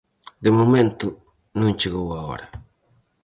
De momento, non chegou a hora.